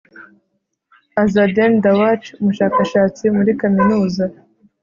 Azadeh Dawachi umushakashatsi muri kaminuza